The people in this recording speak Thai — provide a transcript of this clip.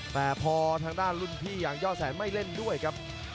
แต่พอทางด้านรุ่นพี่อย่างย่อแสนไม่เล่นด้วยครับ